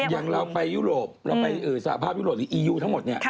อย่างเราไปยุโรปสระภาพยุโรปหรืออิยูทั้งหมด